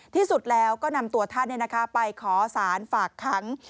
ที่สุดแล้วก็นำตัวท่านเนี่ยนะคะไปขอสารฝากครั้ง